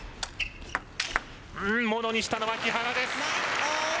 物にしたのは木原です。